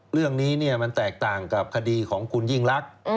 เรื่องนี้มันแตกต่างกับคดีของคุณยิ่งรัก